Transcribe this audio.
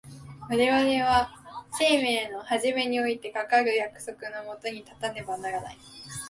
我々は生命の始めにおいてかかる約束の下に立たねばならない。